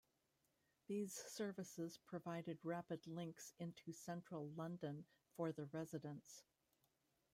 These services provided rapid links into central London for the residents.